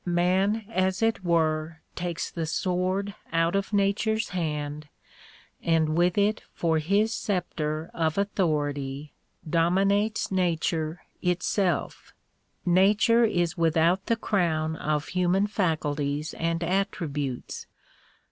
IMan as it were takes the sword out of nature's hand and with it for his sceptre of authority dominates nature itself. Nature is without the crown of human faculties and attributes.